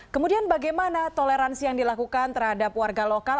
kemudian bagaimana toleransi yang dilakukan terhadap warga lokal